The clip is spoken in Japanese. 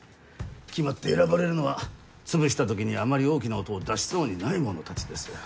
決まって選ばれるのは潰したときにあまり大きな音を出しそうにないものたちです。